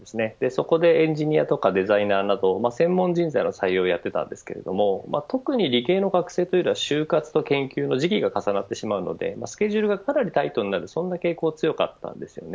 そこでエンジニアやデザイナーなど専門人材の採用をやっていたんですけれど特に理系の学生というのは就活と研究の時期が重なりスケジュールがタイトになる傾向が強かったんです。